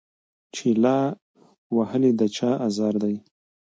چي لا وهلی د چا آزار دی